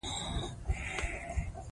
د پاکو لوښو کارول مهم دي.